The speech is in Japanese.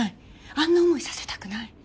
あんな思いさせたくない。